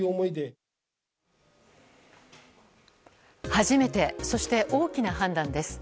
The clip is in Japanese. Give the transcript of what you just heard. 初めて、そして大きな判断です。